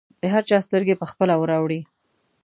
د هر چا سترګې به پخپله ورواوړي.